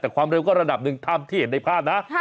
แต่ความเร็วก็ระดับหนึ่งตามที่เห็นในภาพนะ